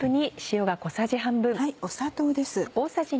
砂糖です。